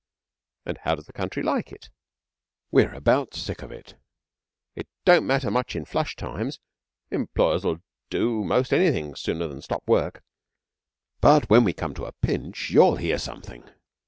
'And how does the country like it?' 'We're about sick of it. It don't matter much in flush times employers'll do most anything sooner than stop work but when we come to a pinch, you'll hear something.